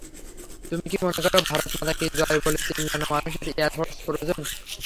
তুমি কী মনে করো, ভারত মাতা কী জয় বলে চিল্লানো মানুষদের এয়ারফোর্সে প্রয়োজন?